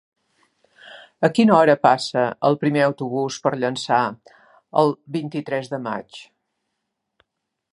A quina hora passa el primer autobús per Llançà el vint-i-tres de maig?